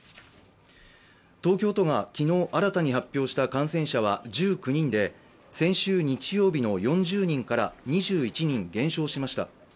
東京都が昨日、新たに発表した感染者は１９人で先週日曜日の４０人から２１人減少しました。